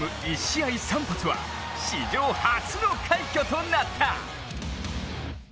１試合３発は史上初の快挙となった。